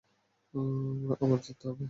আমার জিততেই হবে!